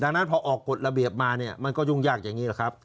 ดังนั้นพอออกกฎระเบียบมาเนี่ยมันก็ยุ่งยากอย่างนี้แหละครับ